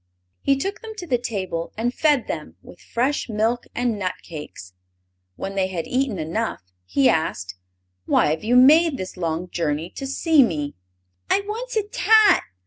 He took them to the table and fed them with fresh milk and nut cakes. When they had eaten enough he asked: "Why have you made this long journey to see me?" "I wants a tat!"